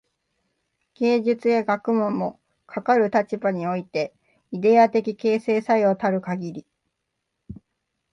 芸術や学問も、かかる立場においてイデヤ的形成作用たるかぎり、